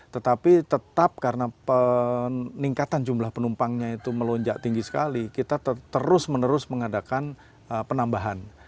tetapi tetap karena peningkatan jumlah penumpangnya itu melonjak tinggi sekali kita terus menerus mengadakan penambahan